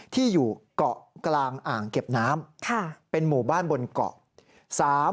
ที่อยู่เกาะกลางอ่างเก็บน้ำเป็นหมู่บ้านบนเกาะ